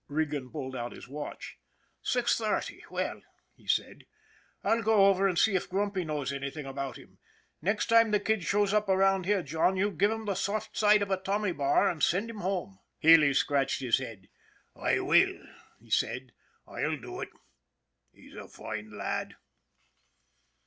Regan pulled out his watch. " Six thirty. Well," he said, " I'll go over and see if Grumpy knows any thing about him. Next time the kid shows up around here, John, you give him the soft side of a tommy bar, and send him home." 22 THE LITTLE SUPER 23 Healy scratched his head. " I will," he said; " I'll do ut. He's a foine lad."